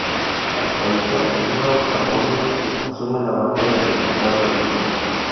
Al fallecer Álvaro Carbone, asume la banca de diputado del mismo.